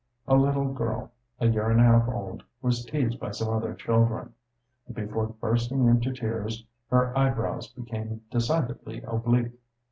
A little girl, a year and a half old, was teased by some other children, and before bursting into tears her eyebrows became decidedly oblique.